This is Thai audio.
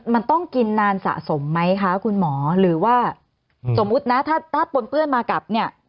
มันต้องกินนานสะสมไหมคะคุณหมอหรือว่าสมมุตินะถ้าปนเปื้อนมากลับเนี่ย